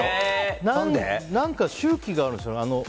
何か周期があるんですよね。